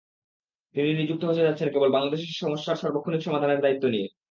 তিনি নিযুক্ত হতে যাচ্ছেন কেবল বাংলাদেশ সমস্যার সার্বক্ষণিক সমাধানের দায়িত্ব নিয়ে।